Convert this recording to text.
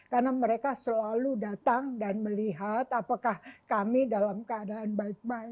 karena mereka selalu datang dan melihat apakah kami dalam keadaan baik baik